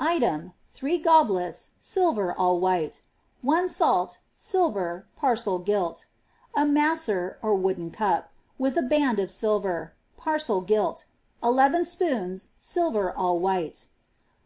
Item, 3 goblets, silver, all white. One sth, silver, parcel gilt. A mater (wooden cup), with a band of silver, parcel gilL 11 spoons, silver, all white.